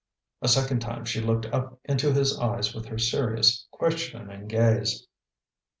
A second time she looked up into his eyes with her serious, questioning gaze.